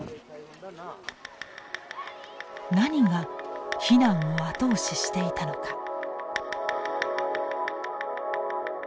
何が避難を後押ししていたのか。